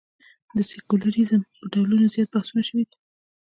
د سیکولریزم پر ډولونو زیات بحثونه شوي دي.